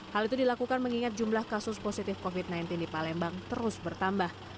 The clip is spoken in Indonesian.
hal itu dilakukan mengingat jumlah kasus positif covid sembilan belas di palembang terus bertambah